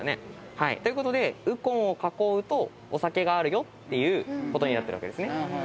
はいということで「ウコン」を囲うと「お酒」があるよということになってるわけですね。